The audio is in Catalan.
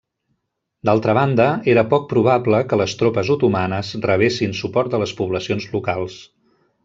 D'altra banda, era poc probable que les tropes otomanes rebessin suport de les poblacions locals.